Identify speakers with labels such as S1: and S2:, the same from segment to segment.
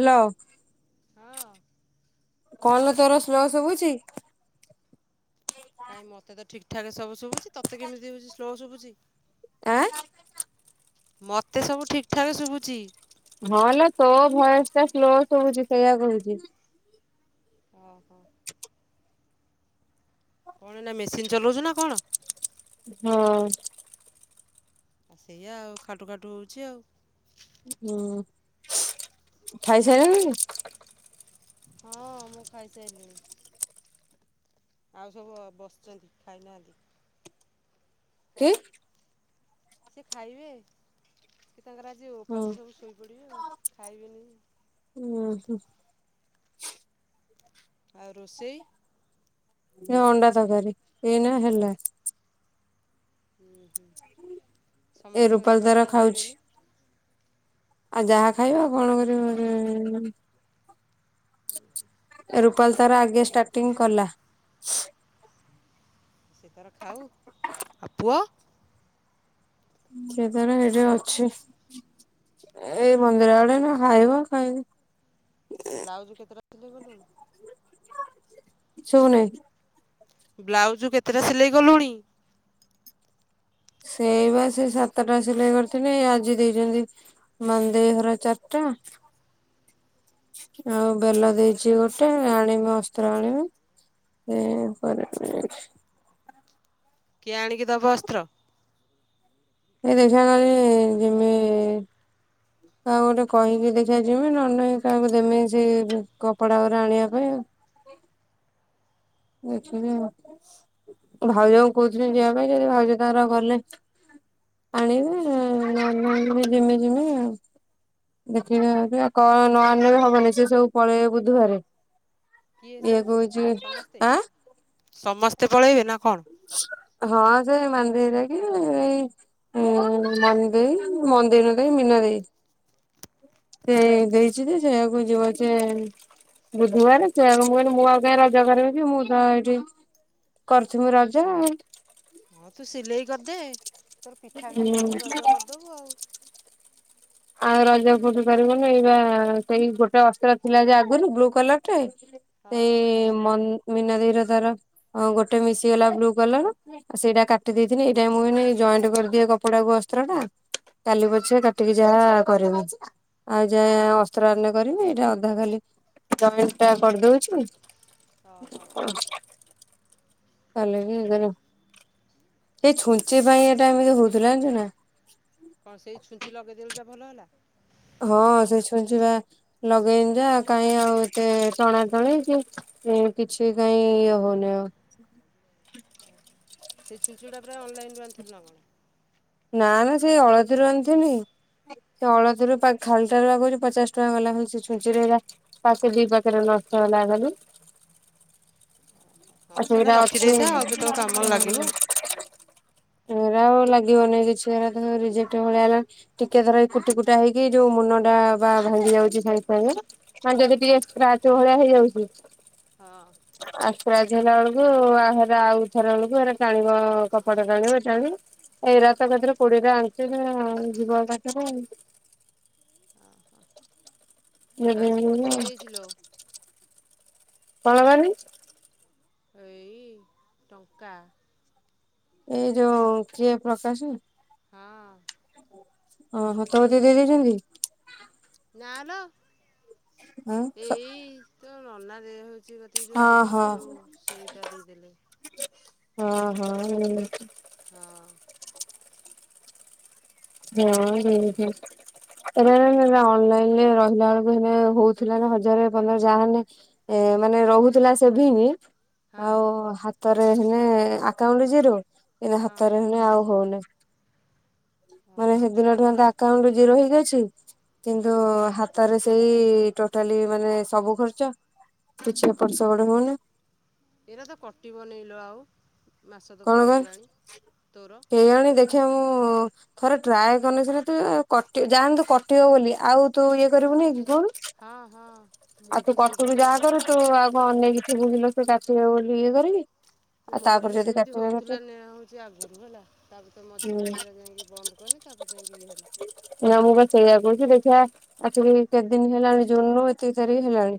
S1: Hello
S2: ହଁ।
S1: କଣ ଲୋ ତୋର ସ୍ଲୋ ସୁବୁଚି।
S2: କାଇଁ ମତେ ଠିକ୍ ଠାକ୍ ସବୁ ଶୁବୁଚି ତତେ କେମତି ହୋଉଛି ସ୍ଲୋ ଶୁଭୁଛି।
S1: ଆଁ।
S2: ମତେ ସବୁ ଠିକ୍ ଠାକ୍ ଶୁବୁଚି।
S1: ହଁଲେ ତୋ ଭୟସ ଟା ସ୍ଲୋ ଶୁଭୁଛି ସେଇୟା କହୁଛି।
S2: ଓହୋ। କଣ ଏଇନା ମେସିନ ଚଲାଉଛୁ ନା କଣ?
S1: ହଁ।
S2: ଆ ସେଇଆ ଆଉ ଖାଟୁ ଖାଟୁ ହଉଛି ଆଉ।
S1: ହୁଁ ଖାଇସାଇଲଣି?
S2: ହଁ ମୁଁ ଖାଇସାଇଲିଣି। ଆଉ ସବୁ ବସଛନ୍ତି ଖାଇନାହାନ୍ତି।
S1: କି?
S2: ସେ ଖାଇବେ କି ତାଙ୍କର ଆଜି
S1: ହଁ
S2: ଉପାସ ସବୁ ଶୋଇପଡ଼ିବେ ଆଉ ଖାଇବେନି।
S1: ଉଁ ହୁଁ।
S2: ଆଉ ରୋଷେଇ?
S1: ଏ ଅଣ୍ଡା ତକାରି ଏଇନା ହେଲା।
S2: ଉଁ ହୁଁ।
S1: ଏ ରୂପାଲି ତାର ଖାଉଛି। ଆଉ ଯାହା ଖାଇବ ଆଉ କଣ କରିପାରିବୁ
S2: ଉ ହୁଁ।
S1: ଏ ରୂପାଲି ତାର ଆଗେ ଷ୍ଟାର୍ଟିଂ କଲା।
S2: ସେତାର ଖାଉ ଆଉ ପୁଅ?
S1: ସିଏ ତାର ଏଇଠି ଅଛି। ଏ ମନ୍ଦିର ଆଡେ ଏଇନା ଖାଇବ ଖାଇନି।
S2: ବ୍ଲାଉଜ୍ କେତେଟା ସିଲେଇ କଲୁଣି?
S1: ଶୁଭୁନି।
S2: ବ୍ଲାଉଜ କେତେଟା ସିଲେଇ କଲୁଣି?
S1: ସେଇ ବା ସେଇ ସାତଟା ସିଲେଇ କରିଥିଲି ଆଜି ଦେଇଛନ୍ତି ମାନ୍ଦେଇ ଘର ଚାରିଟା। ଆଉ ବେଲା ଦେଇଛି ଗୋଟେ ଆଣିମି ଅସ୍ତ୍ର ଆଣିମି। ଏ [unintelligible]
S2: କିଏ ଆଣିକି ଦବ ଅସ୍ତ୍ର?
S1: ଏଇ ଦେଖିଆ ନହେଲେ ଜୀମି କାହାକୁ ଗୋଟେ କହିକି ଦେଖିଆ ଜିମି ନହେଲେ ନାହିଁ କାହାକୁ ଦେମି ସେ କପଡା ଗୁରା ଆଣିବା ପାଇଁ ଆଉ। ଦେଖିବା ଭାଉଜଙ୍କୁ କହୁ ଯିବା ପାଇଁ ଯଦି ଭାଉଜ ତାଙ୍କର ଗଲେ ଆଣିବେ ନହେଲେ ନାହିଁ ଯଦି ଜିମି ଜିମି ଆଉ। ଦେଖିବା ଆଉ କଣ ନଆଣିଲେବି ହବନି ସେ ସବୁ ପଳେଇ ବୁଧବାରେ। କିଏ
S2: ସବୁ ଯିବେ
S1: କହୁଛି
S2: ସମସ୍ତେ?
S1: ଆଁ
S2: ସମସ୍ତେ ପଳେଇବେ ନା କଣ?
S1: ହଁ ସେଇ ମନ୍ଦେଇ ହରିକା କି ଏଇ ହୁଁ ମନି ଦେଇ ମନ୍ଦେର ନୁହେଁ ତ ଏଇ ମିନା ଦେଇ। ସେଇ ଦେଇଛି ସେଇଆକୁ ଯିବ ଯେ ବୁଧବାର ସେୟାକୁ ମୁଁ କିହିଲି ମୁଁ ଙ୍କାଇ ଆଉ ରଜ କରିବି କି ମୁଁ ତ ଏଇଠି କରୁଥିମି ରଜା।
S2: ହଁ ତୁ ସିଲେଇ କରିଦେ ତୋର ପିଠା ଖାଇକି ଖାଲି
S1: ହୁଁ
S2: ରଜ କରିଦବୁ ଆଉ।
S1: ଆଉ ରଜ ବୁଲି ପାରିବିନି ଏଇ ପା ସେଇ ଗୋଟେ ଅସ୍ତ୍ର ଥିଲା ଯେ ଆଗରୁ ବ୍ଲୁ କଲର ଟେ
S2: ହଁ
S1: ଏଇ ମନ ମିନା ଦେଇର ତାର ଗୋଟେ ମିଶିଗଲା ବ୍ଲୁ କଲର। ଆଉ ସେଇଟା କାଟି ଦେଇଥିଲି ଏଇଟା ମୁଁ କହିଲି ଜଏଣ୍ଟ କରିଦିଏ କପଡାକୁ ଅସ୍ତ୍ର ଟା। କାଲି ପଛେ କାଟିକି ଯାହା କରିମି। ଆଉ ଯାଏ ଅସ୍ତ୍ର ଆଣିନେ କରିମି ଏଇଟା ଅଧା ଖାଲି [unintelligible] ଟା କରିଦଉଛୁ।
S2: ଓହୋ
S1: [inaudible] କଲିକି ଇଏକରିମି ଏଇ ଛୁଞ୍ଚି ପାଇଁ ଏଟା ଏମିତି ହଉଥିଲା ଜାଣିଛୁ ନା।
S2: କଣ ସେଇ ଛୁଞ୍ଚି ଲଗେଇଦେଲୁ ଯା ଭଲ ହେଲା।
S1: ହଁ ସେ [unintelligible] ବା ଲଗେଇନି ଯା କାହିଁ ଆଉ ଏତେ ଟଣା ଟାଣି କି ଏଁ କିଛି କାଇଁ ଇଏ ହୋଉନି ଆଉ।
S2: ସେଇ ଛୁଞ୍ଚି ଟା ପୁରା ଅନଲାଇନ୍ ରୁ ଆଣିଥିଲୁ ନା କଣ।
S1: ନା ନା ସେଇ ଅଳତିରୁ ଆଣିଥିନି। ସେ ଅଳତିରୁ ପା ଖାଲଟାରେ ପା କୋହୂଚି ପଚାଶ ଟଙ୍କା ଗଲା ଖାଲି ସେଇ ଛୁଞ୍ଚି। [unintelligible] ପାକେଟ୍ ଦିଇ ଦି ପାକେଟ୍ ନଷ୍ଟ ହେଲା ଖାଲି।
S2: ହଁ
S1: ଆଉ
S2: ସେଇଟା
S1: ସେଇରା ଅଛି।
S2: ରଖିଦେଇଥା ଆଉ କେତେବେଳେ କାମରେ ଲାଗିବ।
S1: ଏରା ଆଉ ଲାଗିବନି କିଛି ଏରା ତ ରିଜେକ୍ଟ ଭଳିଆ ହେଲାଣି। ଟିକେ ଧର ଏଇ କୁଟି କୁଟା ହେଇକି ଯୋଉ ମୁନଟା ବା ଭାଙ୍ଗି ଯାଉଛି ସାଙ୍ଗ ସାଙ୍ଗେ। ହାଁ ଯଦି ଟିକେ ସ୍କ୍ରାଚ୍ ଭଳିଆ ହେଇଯାଉଛି।
S2: ହଁ।
S1: ଆଁ ସ୍କ୍ରାଚ୍ ହେଲା ଆଳୁକୁ [unintelligible] ଆଉଥର ବେଳୁକୁ ହେରା ଟାଣିବ କପଟା ଟାଣିବ। [unintelligible] ଏଇରା ତ ଏକାଥରେ କୋଡିଏ ଟା ଆଞ୍ଚି [unintelligible] ଯିବ ଏକାଥରେ ଆଉ।
S2: ଅହଁ।
S1: [unintelligible]
S2: ଅ ଏଇ ଟଙ୍କା।
S1: ଏଇ ଯୋଉ କିଏ ପ୍ରକାଶ ଭାଇ।
S2: ହଁ।
S1: ଅହଁ ତୋରୋ ଦେଇଦେଇ ଯାଇଛନ୍ତି।
S2: ନାଁ ଲୋ
S1: ହଁ ହଁ
S2: ଏଇ ତୋ ନନା ଦେହ ହୋଉଛି କ ତି ଯେଉଁ
S1: ହଁ
S2: ଆଣିଥିଲୁ ଯେଉଁ ସେଇଟା ଦେଇଦେଲେ।
S1: ହଁ ହଁ ହୁଁ।
S2: ହଁ।
S1: ହଁ ହୁଁ ହୁଁ। [unintelligible]
S2: ଉଁ
S1: ହେରା ଅନଲାଇନ ରେ ରହିଲା ଆଳୁକୁ ହେରା ହୋଉଥୁଲା ନା ହଜାର ପନ୍ଦର ଯାହାନେ ଏ ମାନେ ରହୁଥୁଲା ସେଭିଙ୍ଗି।
S2: ହଁ
S1: ଆଉ ହାତରେ ହେନେ ଆକାଉଣ୍ଟୁ ଜିରୋ ଏଇନା
S2: ହଁ
S1: ହାତରେ ହେଲେ ଆଉ ହୋଉନି। ମାନେ
S2: ଓହୋ
S1: ହେଦିନଠୁ [unintelligible] ଆକାଉଣ୍ଟୁ ଜିରୋ ହେଇକି ଅଛି କିନ୍ତୁ
S2: ହୁଁ।
S1: ହା ତରେ ସେଇ ଟୋଟାଲି ମାନେ ସବୁ ଖର୍ଚ୍ଚ କିଛି ଏପଟ୍ ସେପଟ୍ ହୋଉନି।
S2: ଏରା ତ କଟିବ ନେଇ ଲୋ ଆଉ ମାସ ତ ପଳେଇଗଲାଣି ତୋରୋ।
S1: [unintelligible] ଖେ ମୁଁ ଥରେ ଟ୍ରାଏ କନେ ସିନା ତୁ ଆଉ କଟି ଯାହାହେନେ ତୁ କଟିବ ବୋଲି ଆଉ ତୁ ଇଏ କରିବୁନେଇ କି କୋହୁନୁ।
S2: ହଁ ହଁ।
S1: ଆଉ
S2: ମୁଁ
S1: ତୁ
S2: ତ
S1: କଟୁକୁ ଯାହା
S2: ସେଇଥିପାଇଁ
S1: କରୁ ତୁ ଆଉ କଁ ଅନେଇକି ଥିବୁ [unintelligible] କାଟିବ ବୋଲି ଇଏ କରିକି। ଆଉ
S2: ମୋରୋ
S1: ତାପରେ
S2: ବି
S1: ଯଦି
S2: ସେମିତି
S1: କାଟିବେ
S2: ହୋଉଥୁଲା
S1: କାଟିବେ
S2: [unintelligible] ହୋଉଛି ଆଗୁରୁ ହେଲା। ତାପରେ ତ ମଝିରେ
S1: ହୁଁ
S2: ପୁଣିରେ ହେଟା ଯାଇଁକି ବନ୍ଦ କଲି ତାପରେ ଯାଇଁକି ଇଏ ହେଲା।
S1: ନା ମୁଁ ବା ସେଇଆ କୋହୁଛି ଦେଖିଆ ଆକ୍ଚୋଲି କେତେ ଦିନ ହେଲାଣି ଜୁନ ରୁ ଏତିକି ତାରିକି ହେଲାଣି।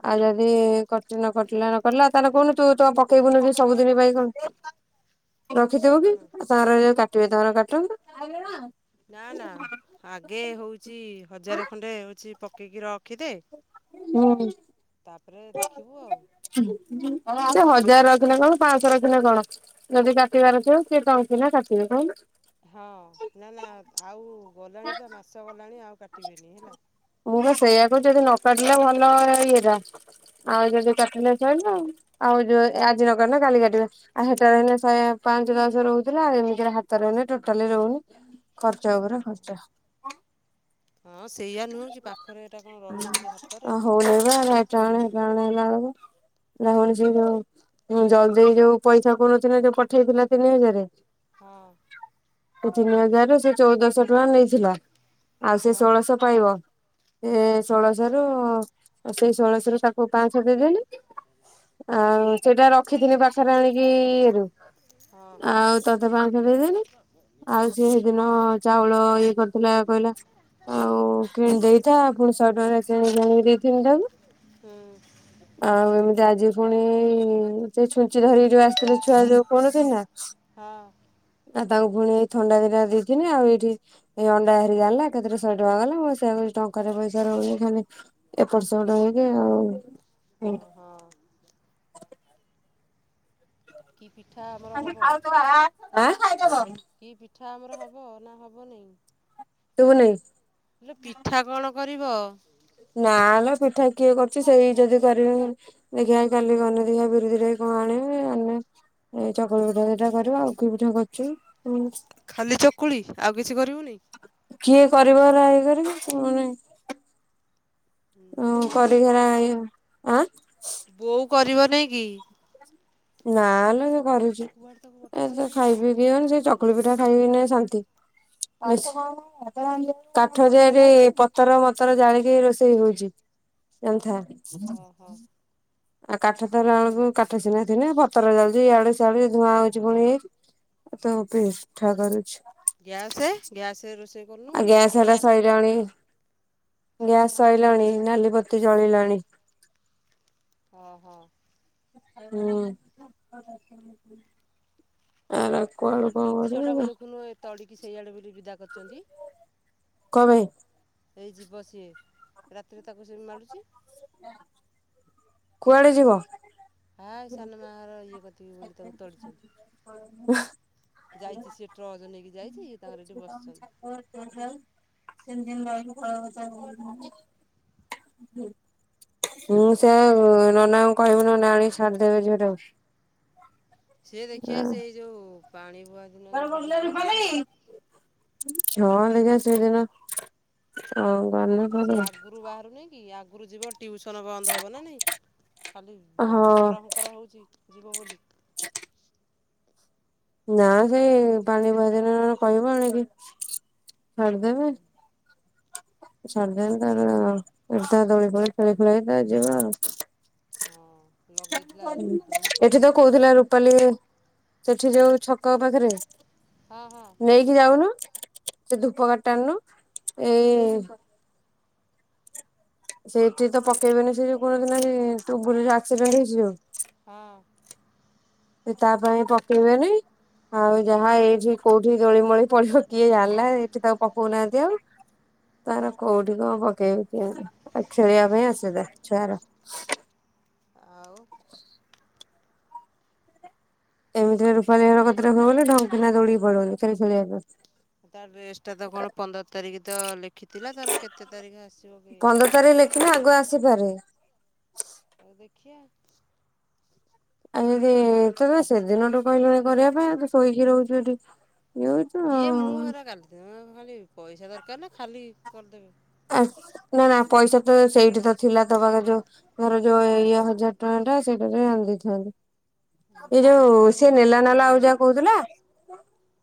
S2: ହୁଁ
S1: ଯଦି କରିଚି ନ କଟିଲା ନ କଟିଲା ତାହେଲେ କୋହୁନୁ ତୁ ତ ପକେଇବୁନି ବି ସବୁଦିନ ପାଇଁ କଣ
S2: ହୁଁ
S1: ରଖିଥିବୁ କି
S2: ହୁଁ
S1: ଆଉ ତାଙ୍କର [unintelligible] କାଟିବେ ତାଙ୍କର କାଟନ୍ତୁ।
S2: ନା ନା ଆଗେ ହୋଉଚି ହଜାରେ ଖଣ୍ଡେ ହୋଉଛି ପକେଇକି ର
S1: ହୁଁ। [unintelligible]
S2: ତାପରେ ଦେଖିବୁ ଆଉ
S1: ସେଇ ହଜାର ରଖିଲେ କଣ ପାଁଶହ ରଖିଲେ କଣ। ଯଦି କାଟିବାରଥିବ ସିଏ [unintelligible] ନା କାଟିବେ କୋହୁନୁ।
S2: ହଁ ନା ନା ଆଉ ଗଲାଣି ପା ମାସ ଗଲାଣି ଆଉ କାଟିବେନି ହେଲା।
S1: ମୁଁ ପା ସେୟା କୋ ଯଦି ନ କାଟିଲା ଭଲ ଇଏଟା
S2: ହଁ
S1: ଆଉ ଯଦି କାଟିଲେ ସଇିଲା ଆଉ। ଆଉ ଯୋ ଏ ଆଜି ନ କାଟିଲେ କାଲି କାଟିବେ। ଆଉ ହେଟାରେ ହେନେ ଶୟା ପାଞ୍ଚ ଦଶ ରୋହୁଥିଲା ଏମିତିରେ ହାତରେ ହେନେ ଟୋଟାଲି ରୋହୁନି। ଖର୍ଚ୍ଚ ଉପରେ ଖର୍ଚ୍ଚ।
S2: ହଁ ସେଇଆ ନୁହୁଁ କି ପାଖରେ ଏଇଟା କଣ ରହିବ କି ହାତରେ।
S1: [unintelligible] [unintelligible] ହୁଁ ଜଲ୍ ଦେଇ ଯୋଉ ପଇସା କହୁନଥିନା ଯୋଉ ପଠେଇଥିଲା ତିନି ହଜରେ
S2: ହଁ।
S1: ସେ ତିନି ହଜାରରୁ ସେ ଚଉଦଶହ ଟଙ୍କା ନେଇଥିଲା। ଆଉ ସେ
S2: ହଁ
S1: ଷୋଳଶ ପାଇବ। ଏ ଷୋଳସ ରୁ ସେଇ ଷୋଳସ ରୁ ତାକୁ ପାଞ୍ଚଶହ ଦେଇଦେଲି। ଆଁ ସେଇଟା ରଖିଥିନି [unintelligible] [unintelligible] ଆଣିକି ଇଏରୁ
S2: ହଁ
S1: ଆଉ ତୋତେ ପାଞ୍ଚଶହ ଦେଇଦେନି ଆଉ ସେହିଦିନ ଚାଉଳ ଏ
S2: [unintelligible]
S1: ଆଉ କିଣି ଦେଇଥା ପୁଣି ଶହେ ଟଙ୍କାରେ କିଣିକି ଆଣିକି ଦେଇଥେନି ତାକୁ।
S2: ହୁଁ।
S1: ଆଉ ଏମିତି ଆଜି ଫୁଣି ସେ ଛୁଞ୍ଚି ଧରିକି ଯୋଉ ଆସିଥିଲେ ଛୁଆ ଯୋଉ [unintelligible] ନା
S2: ହଁ।
S1: ଆଉ ତାଙ୍କୁ ଫୁଣି ଏଇ ଥଣ୍ଡା ଦିଟା ଦେଇିଥିନି ଆଉ ଏଇଠି ଏଇ ଅଣ୍ଡା ହେରିକା ହେଲା। ଏକାଥେରେ ଶହେ ଟଙ୍କା ଗଲା ମୁଁ ସେଇଆ କହୁଚି ଟଙ୍କାରେ ପଇସା ରହୁନି ଖାଲି ଏପଟ୍ ସେପଟ୍ ହେଇକି ଆଉ
S2: ଓହୋ। କି ପିଠା [unintelligible]
S1: [inaudible]
S2: କି ପିଠା ଆମର ହବ ନା ହବନେଇଁ?
S1: ତୁବୁନେଇଁ।
S2: [unintelligible] ପିଠା କଣ କରିବ?
S1: ନା ଲୋ ପିଠା କିଏ କରୁଚି ସେଇ ଯଦି କରିବି ଦେଖିଆ କାଲି [unintelligible] ଏଇ ଚକୁଳି ପିଠା ଦିଟା କରିବି ଆଉ କି ପିଠା କରୁଚି।
S2: ଖାଲି ଚକୁଳି ଆଉ କିଛି କରିବୁନେଇଁ?
S1: କିଏ କରିବ ହେରା ଇଏ କରିକି [unintelligible]
S2: ହୁଁ ବୋଉ
S1: କରିକି ହେରା
S2: କରିବନି କି,
S1: ଇଏ ଆଁ
S2: ବୋଉ କରିବନେଇଁ କି?
S1: ନାଁ ଲୋ ସେ କରୁଚି,
S2: କୁଆଡ଼େ ତାକୁ
S1: ଏ
S2: ପଠେଇଛୁ
S1: ତ
S2: ଏକୁଟିଆ?
S1: ଖାଇବି। [unintelligible] ଚକୁଳି ପିଠା ଖାଇକିନା ଶାନ୍ତି ଆ କାଠ ଯାରେ ପତର ମତର ଜାଳିକି ରୋଷେଇ ହଉଚି। ଜାଣ୍ଥା।
S2: ଓହୋ
S1: ଆଉ କାଠ ତ ହେଲା ବେଳକୁ କାଠ ସିନା ଥିନେ, ପତର ଜଳୁଚି ଇଆଡେ ସଆଡେ ଧୂଆଁ ହଉଚି ପୁଣି [unintelligible] ତୋ ପେଠା କରୁଛି।
S2: ଗ୍ୟାସେ-ଗ୍ୟାସେରେ ରୋଷେଇ କରୁନୁ କି?
S1: ଗ୍ୟାସେଟା ସଇଲାଣି ଗ୍ୟାସ୍ ସଇଲାଣି ନାଲି ବତି ଜଳିଲାଣି।
S2: ଓହୋ।
S1: ହୁଁ। ଆର କୁଆଡୁ କଣ [unintelligible]
S2: ତଡିକି ସେଇଆଡ଼େ ବୋଲି ବିଦା କରଚନ୍ତି।
S1: କମ୍ପାଇଁ?
S2: ଏଇ ଯିବ ସିଏ ରାତିରେ ତାକୁ ସେ ମାଡ଼ୁଚି।
S1: କୁଆଡେ ଯିବ?
S2: ଆ ସାନ ମାର ଇଏ କତିକି ବୋଲି ତାକୁ ତଡିଚନ୍ତି। ଯାଇଚି ସିଏ ଟ୍ରଚ ନେଇକି ଯାଇଚି।
S1: ହୁଁ
S2: ଆଉ
S1: ସେୟା ନନାଙ୍କୁ କହିବୁ ନନା ଆଣିକି ଛାଡିଦେବେ ଝିଅଟାକୁ।
S2: ସିଏ ଦେଖିଆ ସେଇ ଯୋଉ ପାଣି ଭୂଆ
S1: କୁଆଡେ ଗଲେ ରୂପା। ଛଅ ଲେଖା ସେଇଦିନ ହ ଗଲେ ଗୁଆଡେ।
S2: ଘରୁ ବାହାରୁ ନେଇ କି ଆଗରୁ ଯିବ ଟିଉସନ୍ ବନ୍ଦ ହେବ ନା ନାଇଁ ଖାଲି
S1: ହଁ
S2: [inaudible] ତର ତର ହେଉଛି ଯିବ ବୋଲି।
S1: ନା ସେଇ ପାଣି ବାବଦରେ କହିବ ଆଣିକି। ଛାଡି
S2: ହୁଁ
S1: ଦେବେ। ସନ୍ଦ୍ୟରେ ତାର ଏଠୂତା ଦୋଳି ଫୋଳି ଖେଳି ଖୁଳା ତା ଯିବ ଆଉ।
S2: ହଁ। ଲଗେଇଥିଲା ଦୋଳି
S1: ଏଠି ତ
S2: ପକୁଅ
S1: କୋହୁଥିଲା ରୁପାଲି ସେଠି
S2: ହଁ
S1: ଯୋଉ ଛକ ପାଖରେ
S2: ହଁ ହଁ
S1: ନେଇି ଯାଉନୁ ସେ ଧୂପ କଠି ଟା ଆଣୁନୁ ଏଇ ସେଇଠି ତ ପକେଇବେନି ସେ ଯଉ କୋଣ ସିନା ବୁଲିରେ ଆକ୍ସିଡେଣ୍ଟ ହେଇଛି ଯୋଉ।
S2: ହଁ।
S1: ସେ ତା ପାଇଁ ପକେଇବେନି। ଆଉ ଯାହା ଏଇଠି କୋଉଠି ଦୋଳିମୋଳି ପଳିବ କିଏ ଜାଣିଲା ଏଇଠି ତାକୁ ପକଉନାହାନ୍ତି ଆଉ। ତାର କୋଉଠି କଣ ପକେଇବେ ଖେଳିବା ପାଇଁ ଆସୁବିଧା ଛୁଆ ଗୁରା।
S2: ଆଉ।
S1: ଏମିତିରେ ରୂପାଲିର କତୀରେ କଣ କହିଲୁ ଢଙ୍କିନା ଦୌଡି ପଳୋଉଚି ଖେଳିବା ପାଇଁ।
S2: ତା ଡ୍ରେସ୍ଟା ତ କଣ ପନ୍ଦର ତାରିଖ ତ ଲେଖିଥିଲା ତର କେତେ ତାରିଖ ଆସିବ କେଜାଣି।
S1: ପନ୍ଦର ତାରିଖ ଆଗୁଆ ଆସିପାରେ।
S2: ହଉ ଦେଖିଆ।
S1: ଆଉ ଯଦି ତତେ ସେଦିନଠୁ କହିଲେ କରିବା ପାଇଁ ଆଉ ତ ଶୋଇକି ରହୁଛୁ ଏଠି ଇଏ ହୁ
S2: କିଏ ମୁଁ ହେରା କାଟିଦେଲି ଖାଲି ପଇସା ଦରକାର ନା ଖାଲି କରିଦେବେ।
S1: ଆ ନା ନା ପଇସା ତ ସେଇଠି ତ ଥିଲା ତ ପାଖ ଯୋଉ ମୋରୋ ଯୋଉ ଇଏ ହଜାର ଟଙ୍କା ଟା ସେଇଟ ଆଣି ଦେଇଥାନ୍ତି। ଏ
S2: ତୁ ସେଇଟା
S1: ଯୋଉ
S2: କହିଲୁ
S1: ସେ
S2: ତୋ
S1: ନେଲାନାଲା ଆଉ ଯାହା କହୁଥିଲା।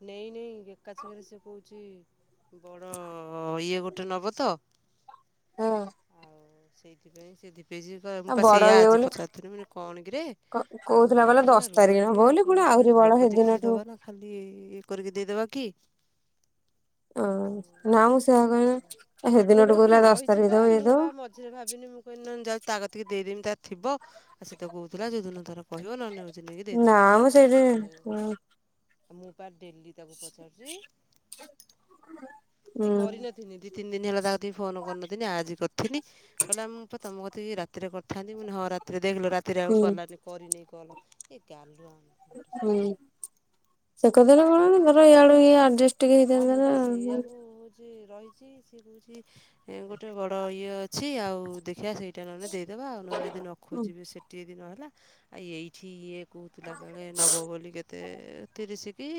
S2: ନାଇଁ ନାଇଁ ଏକାଛେକରେ ସେ କହୁଛି ବଡ଼ ଇଏ ଗୋଟେ ନେବ ତ।
S1: ହଁ।
S2: ଆଉ ସେଇଥିପାଇଁ ସେ ଦୀପେ ଇଚି। ମୁଁ ପା
S1: ବଡ
S2: ସେଇଆ
S1: ଇଏ
S2: ଆଜି
S1: ବୋଲି
S2: ପଚାରୁଥିଲି ମାନେ କଣ କିରେ ଆଉ
S1: କହୁଥିଲା
S2: କହିଲା
S1: ଦଶ
S2: ରୁହ
S1: ତାରିଖ ହବ ବୋଲି ପୁଣି
S2: ଟିକେ
S1: ଆହୁରି ବଡ
S2: ଲୋକ ଦେଖିକି
S1: ସେଦିନଠୁ
S2: ଦବା ନା ଖାଲି ଇଏ କରିକି ଦେଇଦବା କି?
S1: ଓ
S2: ଆଉ
S1: ନା ମୁଁ ସେହା
S2: ସେଇଆକୁ
S1: କହିନି ହେଦିନ ଠୁ କହୁଥିଲା ଦଶ ତାରିଖ ଦବ ଏଇ ଦବ।
S2: ସେ ଭାବିନି ମୁଁ କିହିଲି ଯାଉଚି ତା କତିିକି ଦେଇଦେମି ତା ଥିବ ସେତ କହୁଥିଲା ଯୋଦିନ ତାର କହିବ ନହେଲେ ହଉଛି ନେଇକି ଦେଇଦେବା
S1: ନାମଁ
S2: ଆଉ
S1: ସେଠି
S2: ସିଏ
S1: ହୁଁ।
S2: ମୁଁ ପାର ଡେଲି ତାକୁ ପଚାରୁଛି
S1: ହୁଁ
S2: ଏ କରିନ ଦି ତିନି ଦିନ ହେଲା ତା କତିକି ଫୋନ କରିନଥିଲି ଆଜି କରିଥିନି। କହିଲା ମୁଁ ପା ତମ କତିକୁ ରାତିରେ କରିଥାନ୍ତି ମୁଁ ହଁ ରାତିରେ ଦେଖେଲୋ ରା ରାତି ରେ ଆଉ କଲାନି କରିନ କଲ ଏ ଗାଲୁ ଆମ।
S1: ହୁଁ ସେ କରିଦେଲେ କଣ ଧର ଇଆଡୁ ଆଡଜଷ୍ଟ ଟିକେ ହେଇଥାନ୍ତା ନା ଆଉ।
S2: ସେ ରହିଛି ସିଏ କହୁଛି ଗୋଟେ ବଡ ଇଏ ଅଛି ଆଉ ଦେଖିବା ସେଇ ସେ ନହେଲେ ଦେଇଦବା ଆଉ ନହେଲେ ଯଦି ନ ଖୋଜିବେ ସେଠି ଯଦି ନହେଲା। ଆ ଏଇଠି ଇଏ କହୁଥିଲା କାଳେ ନବ ବୋଲି କେତେ ତିରିଶ କି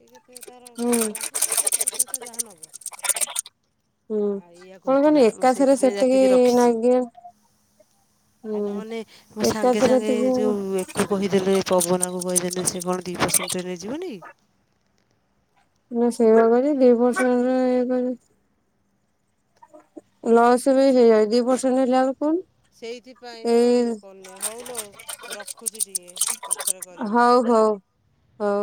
S2: ଏ କେତେ ତାର ଚାଳିଶ ତାର କେତେ ପଚାଶ ତା ଯାହା ନବ।
S1: ହୁଁ
S2: ଆଉ ଇଆ
S1: କଣ କହନି
S2: କହୁଥିଲା ମୁଁ
S1: ଏକାଥରେ
S2: ସେଇଥିପାଇଁ
S1: ସେତିକି
S2: ଯାପିକି ରଖିଛି।
S1: ନାଗିବ
S2: ଆଉ
S1: ହୁଁ
S2: ନହନେ ମୋ ସାଙ୍ଗେ
S1: ଏକାଥରେ
S2: ସାଙ୍ଗେ
S1: ଏତିକି
S2: ଯୋଉ ତା କହିଦେଲେ ପବନାକୁ କହିଦେଲେ ସେ କଣ ଦି ପରସେଣ୍ଟ ରେ ନେଇ ଯିବନି କି?
S1: ମୁଁ ସେଇଆ କହିଲି ଦି ବର୍ଷରେ ଇଏ କହିଲେ। ଲସ୍ ଏବେ ହେଇଯଏ ଦି ପରସେଣ୍ଟ ହେଲାବେଳୁ କୁ କହୁନୁ।
S2: ସେଇଥିପାଇଁ ତ ଇଏ କରୁନି ହଉଲୋ ରଖୁଛି ଟିକେ। ପଛରେ କରିମି
S1: ହଉ ହଉ ହଉ।